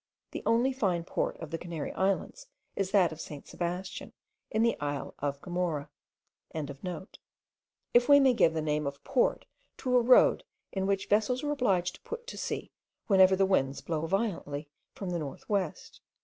The only fine port of the Canary Islands is that of St. Sebastian, in the isle of Gomara.) if we may give the name of port to a road in which vessels are obliged to put to sea whenever the winds blow violently from the north west.